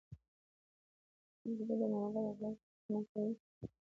زړه د محبت او وفادارۍ سره روښانه وي.